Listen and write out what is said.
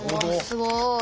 すごい。